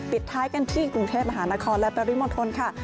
ปิดท้ายกันที่กรุงเทพมหานครและปริมณฑลค่ะ